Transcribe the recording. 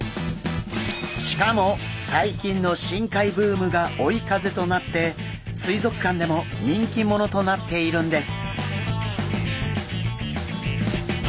しかも最近の深海ブームが追い風となって水族館でも人気者となっているんです。